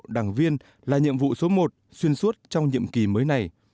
đảng viên là nhiệm vụ số một xuyên suốt trong nhiệm kỳ mới này